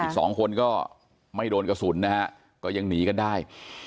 อีกสองคนก็ไม่โดนกระสุนนะฮะก็ยังหนีกันได้